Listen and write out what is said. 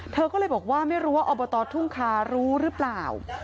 เธอก็เลยบอกว่าไม่รู้ว่าอบตทุ่งคารู้หรือเปล่า